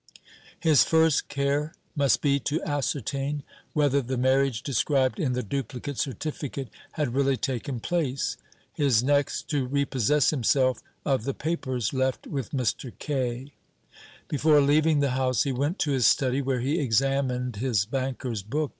His first care must be to ascertain whether the marriage described in the duplicate certificate had really taken place; his next, to repossess himself of the papers left with Mr. Kaye. Before leaving the house he went to his study, where he examined his banker's book.